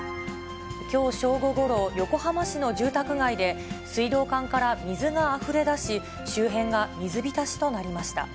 きょう正午ごろ、横浜市の住宅街で、水道管から水があふれだし、周辺が水浸しとなりました。